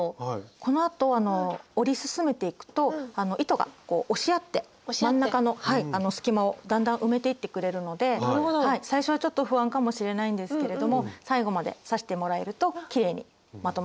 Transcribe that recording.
このあと織り進めていくと糸がこう押し合って真ん中の隙間をだんだん埋めていってくれるので最初はちょっと不安かもしれないんですけれども最後まで刺してもらえるときれいにまとまります。